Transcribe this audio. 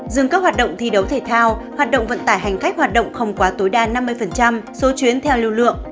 dừng các hoạt động thi đấu thể thao hoạt động vận tải hành khách hoạt động không quá tối đa năm mươi số chuyến theo lưu lượng